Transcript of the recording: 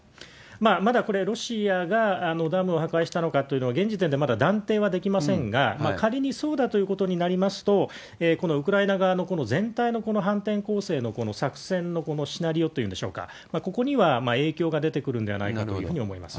まだこれ、ロシアがダムを破壊したのかというのは、現時点でまだ断定はできませんが、仮にそうだということになりますと、このウクライナ側の全体の反転攻勢の作戦のシナリオというんでしょうか、ここには影響が出てくるんではないかというふうに思いま